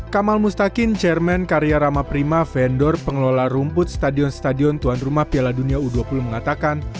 kamal mustakin chairman karya rama prima vendor pengelola rumput stadion stadion tuan rumah piala dunia u dua puluh mengatakan